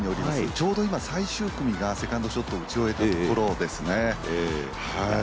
ちょうど今、最終組がセカンドショットを打ち終えているところです。